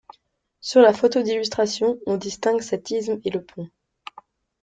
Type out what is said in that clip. Sur la photo d'illustration, on distingue cet isthme et le pont.